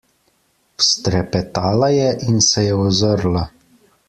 Vztrepetala je in se je ozrla.